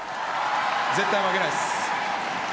絶対負けないです。